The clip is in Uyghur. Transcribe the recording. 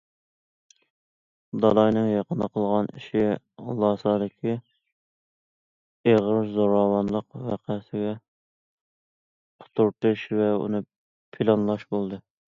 دالاينىڭ يېقىندا قىلغان ئىشى لاسادىكى ئېغىر زوراۋانلىق ۋەقەسىگە قۇترىتىش ۋە ئۇنى پىلانلاش بولدى.